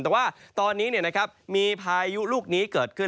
แต่ว่าตอนนี้มีพายุลูกนี้เกิดขึ้น